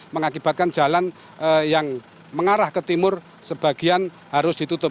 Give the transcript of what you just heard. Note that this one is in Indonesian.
mengakibatkan jalan yang mengarah ke timur sebagian harus ditutup